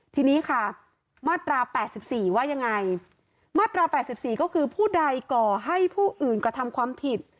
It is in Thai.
ทีนี้ค่ะมาตราแปดสิบสี่ว่ายังไงมาตราแปดสิบสี่ก็คือผู้ใดก่อให้ผู้อื่นกระทำความผิด